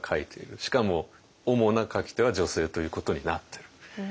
しかもおもな書き手は女性ということになってる。